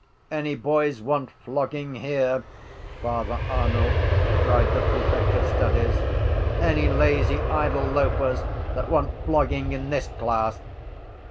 —Any boys want flogging here, Father Arnall? cried the prefect of studies. Any lazy idle loafers that want flogging in this class?